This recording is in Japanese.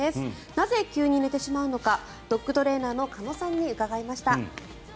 なぜ急に寝てしまうのかドッグトレーナーの鹿野さんに伺いました。